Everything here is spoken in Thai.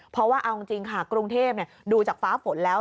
เพราะว่าเอาจริงค่ะกรุงเทพดูจากฟ้าฝนแล้ว